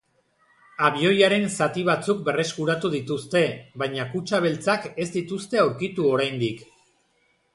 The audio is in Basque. Abioiaren zati batzuk berreskuratu dituzte, baina kutxa beltzak ez dituzte aurkitu oraindik.